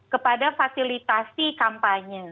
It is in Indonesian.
kepada fasilitasi kampanye